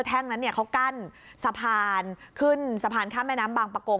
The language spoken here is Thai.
่งนั้นเขากั้นสะพานขึ้นสะพานข้ามแม่น้ำบางประกง